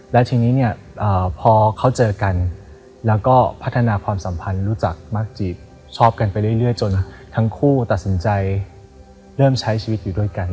แล้วทีนี้เนี่ยพอเขาเจอกันแล้วก็พัฒนาความสัมพันธ์รู้จักมากจีบชอบกันไปเรื่อยจนทั้งคู่ตัดสินใจเริ่มใช้ชีวิตอยู่ด้วยกัน